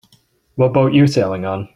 What boat you sailing on?